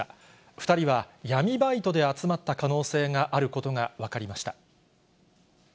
２人は闇バイトで集まった可能性があることが分かりました。